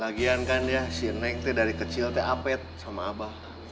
lagian kan ya si nek teh dari kecil teh apet sama abah